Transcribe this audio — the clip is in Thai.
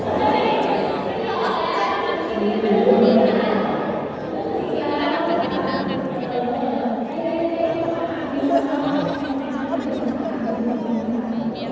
แล้วพี่ก็กินกับเพื่อนเพื่อนก็ไม่ง่ายไม่ง่ายไม่ง่าย